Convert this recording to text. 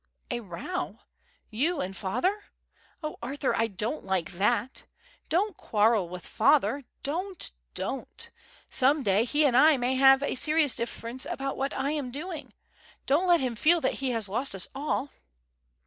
"A row? You and father? Oh, Arthur, I don't like that. Don't quarrel with father. Don't, don't. Some day he and I may have a serious difference about what I am doing. Don't let him feel that he has lost us all."